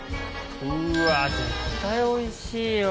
うわ絶対おいしいよ。